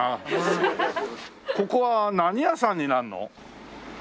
ここは何屋さんになるの？